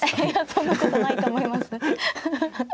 そんなことないと思います。